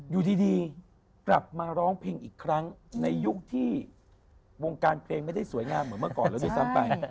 อยู่ดีกลับมาร้องเพลงอีกครั้งในยุคที่วงการเพลงไม่ได้สวยงามเหมือนเมื่อก่อนแล้วด้วยซ้ำไป